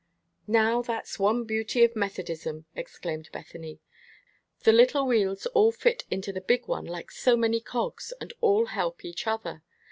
"Now, that's one beauty of Methodism," exclaimed Bethany. "The little wheels all fit into the big one like so many cogs, and all help each other.